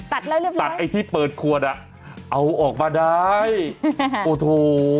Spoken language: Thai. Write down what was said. เรียบร้อยตัดไอ้ที่เปิดขวดอ่ะเอาออกมาได้โอ้โห